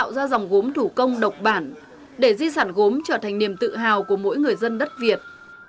tạo ra dòng gốm thủ công độc bản để di sản gốm trở thành niềm tự hào của mỗi người dân đất việt